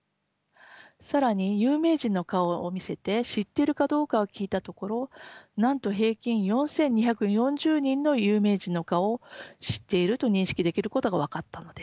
更に有名人の顔を見せて知っているかどうかを聞いたところなんと平均４，２４０人の有名人の顔を知っていると認識できることが分かったのです。